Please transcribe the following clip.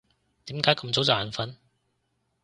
點解咁早就眼瞓？